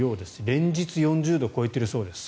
連日４０度を超えているそうです。